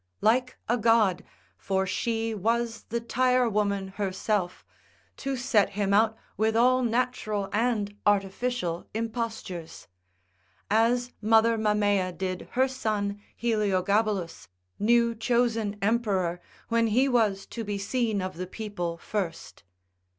like a god, for she was the tire woman herself, to set him out with all natural and artificial impostures. As mother Mammea did her son Heliogabalus, new chosen emperor, when he was to be seen of the people first.